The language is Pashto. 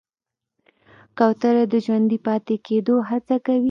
کوتره د ژوندي پاتې کېدو هڅه کوي.